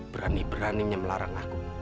berani beraninya melarang aku